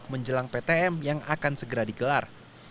menjelang ptm yang akan segera digelar